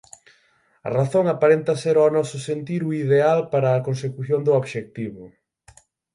A razón aparenta ser ao noso sentir o ideal para a consecución do obxectivo.